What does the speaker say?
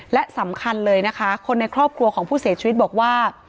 และสำคัญเลยนะคะคนในครอบครัวของผู้เสียชีวิตบอกว่า